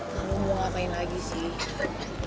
lalu mau ngapain lagi sih